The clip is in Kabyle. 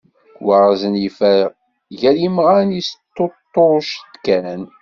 Waɣzen yeffer gar yemɣan yesṭuṭṭuc-d kan.